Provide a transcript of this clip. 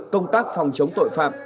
công tác phòng chống tội phạm